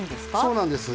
そうなんです。